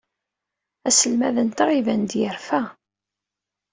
Aselmad-nteɣ iban-d yerfa.